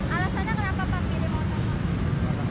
alasannya kenapa pak pilih motor pak